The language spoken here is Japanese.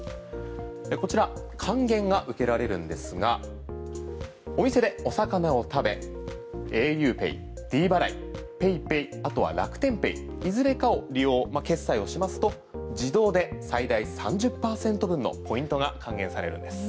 こちら還元が受けられるんですがお店でお魚を食べａｕＰＡＹ、ｄ払いＰａｙＰａｙあとは楽天ペイいずれかを利用で決済をしますと自動で最大３０％分のポイントが還元されるんです。